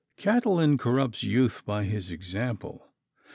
Catiline corrupts youth by his example.